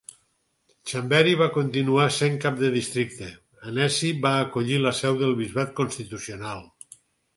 Chambéry va continuar sent cap de districte, Annecy va acollir la seu del bisbat constitucional.